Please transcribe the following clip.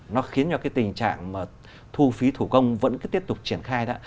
nó khiến cho cái tình trạng mà thu phí thủ công vẫn cứ tiếp tục triển khai đó